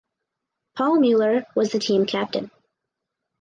Paul Mueller was the team captain.